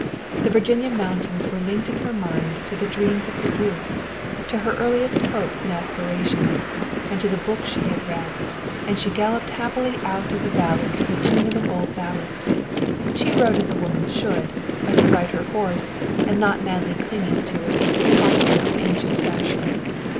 The Virginia mountains were linked in her mind to the dreams of her youth, to her earliest hopes and aspirations, and to the books she had read, and she galloped happily out of the valley to the tune of an old ballad. She rode as a woman should, astride her horse and not madly clinging to it in the preposterous ancient fashion.